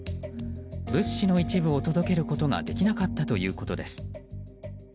物資の一部を届けることができなかったということです。